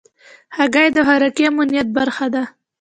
هګۍ د خوراکي امنیت برخه ده.